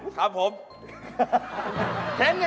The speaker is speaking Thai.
ครับผม